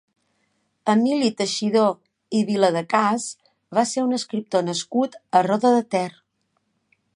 Emili Teixidor i Viladecàs va ser un escriptor nascut a Roda de Ter.